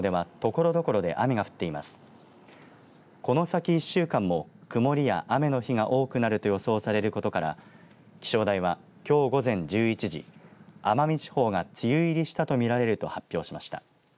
この先１週間も曇りや雨の日が多くなると予想されることから気象台は、きょう午前１１時奄美地方が梅雨入りしたと見られると発表しました。